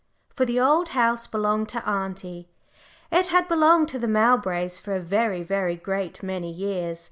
For the Old House belonged to auntie: it had belonged to the Mowbrays for a very, very great many years.